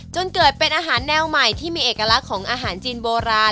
จนเกิดเป็นอาหารแนวใหม่ที่มีเอกลักษณ์ของอาหารจีนโบราณ